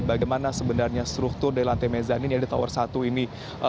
bagaimana sebenarnya struktur dari lantai mezanin yang ada di tower satu ini